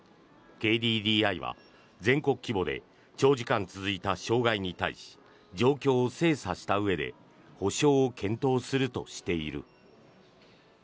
ＫＤＤＩは全国規模で長時間続いた障害に対し状況を精査したうえで補償を検討するとしている。